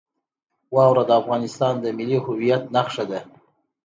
واوره د افغانستان د ملي هویت نښه ده.